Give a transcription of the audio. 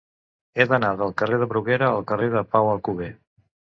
He d'anar del carrer de Bruguera al carrer de Pau Alcover.